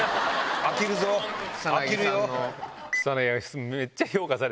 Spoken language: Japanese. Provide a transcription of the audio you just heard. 飽きるよ！